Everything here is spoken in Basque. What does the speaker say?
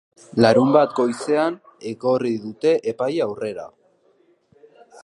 Larunbat goizean igorri dute epaile aurrera.